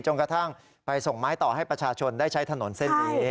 กระทั่งไปส่งไม้ต่อให้ประชาชนได้ใช้ถนนเส้นนี้